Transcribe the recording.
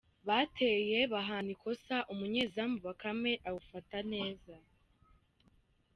Bateye bahana ikosa, umunyezamu Bakame awufata neza.